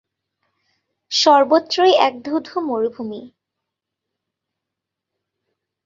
সর্বত্রই এক ধূ ধূ মরুভূমি।